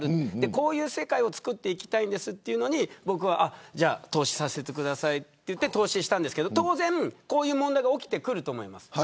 こういう世界をつくっていきたいんですというのでじゃあ投資させてくださいと言って投資したんですけど当然こういう問題が起きてくると思います。